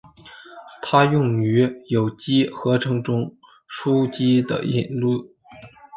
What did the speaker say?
它用于有机合成中巯基的引入。